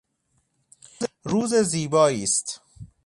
روز زیبایی است.